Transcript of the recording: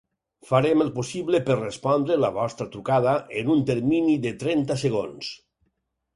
Farem el possible per respondre la vostra trucada en un termini de trenta segons.